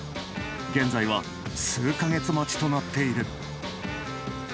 現在は数か月待ちとなっている。